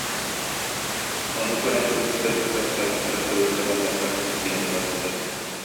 Ону көрөн турбут кыргыттар сорохторо кыбыста барбакка сыҥсыйан бардылар